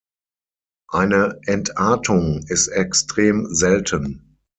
Eine Entartung ist extrem selten.